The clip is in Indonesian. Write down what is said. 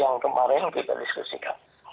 yang kemarin kita diskusikan